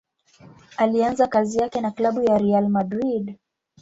Alianza kazi yake na klabu ya Real Madrid.